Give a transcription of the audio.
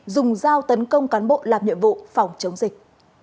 dùng dao tấn công cán bộ làm nhiệm vụ phòng chống dịch